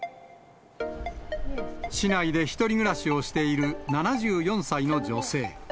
市内で１人暮らしをしている７４歳の女性。